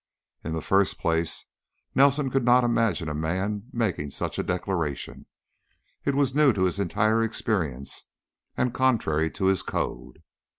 In the first place, Nelson could not imagine a man making such a declaration; it was new to his entire experience and contrary to his code.